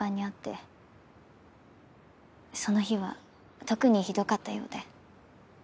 その日は特にひどかったようで。